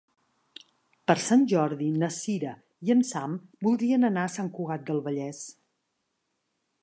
Per Sant Jordi na Cira i en Sam voldrien anar a Sant Cugat del Vallès.